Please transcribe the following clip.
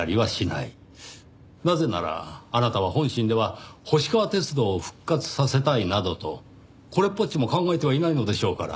なぜならあなたは本心では星川鐵道を復活させたいなどとこれっぽっちも考えてはいないのでしょうから。